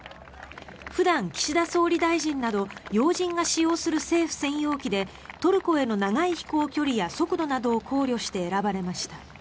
普段、岸田総理大臣など要人が使用する政府専用機でトルコへの長い飛行距離や速度などを考慮して選ばれました。